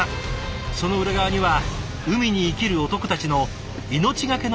その裏側には海に生きる男たちの命がけの戦いがありました。